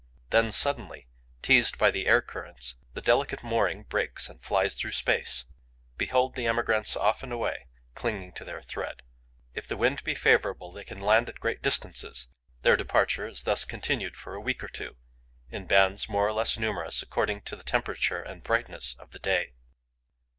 Then, suddenly, teased by the air currents, the delicate mooring breaks and flies through space. Behold the emigrants off and away, clinging to their thread. If the wind be favourable, they can land at great distances. Their departure is thus continued for a week or two, in bands more or less numerous, according to the temperature and the brightness of the day.